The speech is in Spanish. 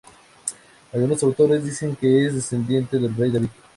Algunos autores dicen que es descendiente del rey David.